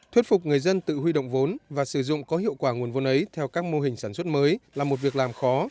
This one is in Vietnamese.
thuyết phục người dân tự huy động vốn và sử dụng có hiệu quả nguồn vốn ấy theo các mô hình sản xuất mới là một việc làm khó